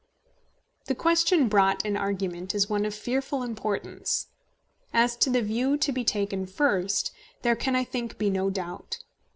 The question brought in argument is one of fearful importance. As to the view to be taken first, there can, I think, be no doubt.